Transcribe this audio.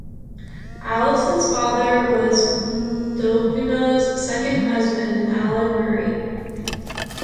Allison's father was Dovima's second husband, Allan Murray.